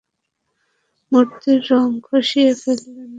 মূর্তির রঙ খসিয়ে ফেললে বাকি থাকে খড়মাটি।